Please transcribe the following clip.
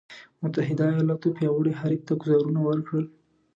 متحدو ایالتونو پیاوړي حریف ته ګوزارونه ورکړل.